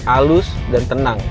alus dan tenang